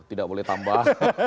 tidak boleh tambah